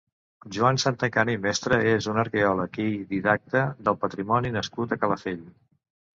Joan Santacana i Mestre és un arqueòleg i didacta del patrimoni nascut a Calafell.